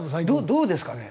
どうですかね？